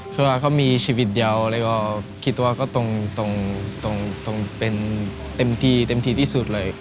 คือว่าเขามีชีวิตเดียวแล้วก็คิดว่าก็ตรงเป็นเต็มที่เต็มทีที่สุดเลย